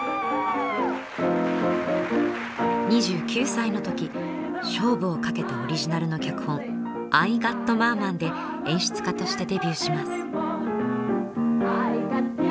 ２９歳の時勝負をかけたオリジナルの脚本「アイ・ガット・マーマン」で演出家としてデビューします。